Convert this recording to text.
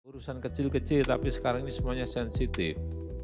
urusan kecil kecil tapi sekarang ini semuanya sensitif